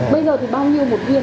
bây giờ thì bao nhiêu một viên ở đây